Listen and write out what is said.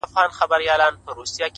• که دي نه وي زده ټول عمر دي تباه دی,